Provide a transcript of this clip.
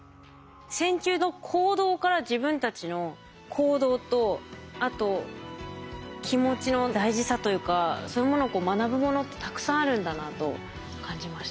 線虫の行動から自分たちの行動とあと気持ちの大事さというかそういうものを学ぶものってたくさんあるんだなと感じました。